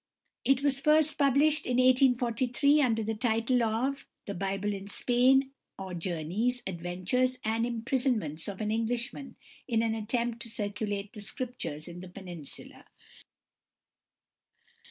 It was first published in 1843 under the title "The Bible in Spain, or Journeys, Adventures, and Imprisonments of an Englishman in an attempt to circulate the Scriptures in the Peninsula."